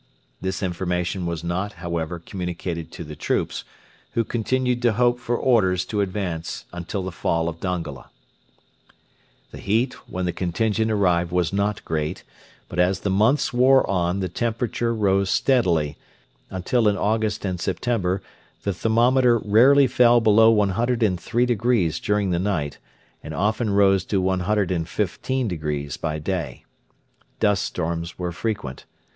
This information was not, however, communicated to the troops, who continued to hope for orders to advance until the fall of Dongola. The heat when the contingent arrived was not great, but as the months wore on the temperature rose steadily, until in August and September the thermometer rarely fell below 103° during the night, and often rose to 115° by day. Dust storms were frequent.